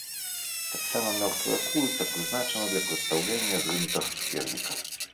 Таксама мёртвая курыца прызначана для прадстаўлення зрынутага суперніка.